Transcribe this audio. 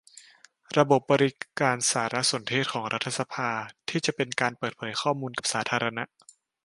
ระบบบริการสารสนเทศของรัฐสภาที่จะเป็นการเปิดเผยข้อมูลกับสาธารณะ